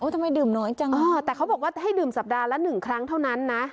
ทำไมดื่มน้อยจังแต่เขาบอกว่าให้ดื่มสัปดาห์ละ๑ครั้งเท่านั้นนะ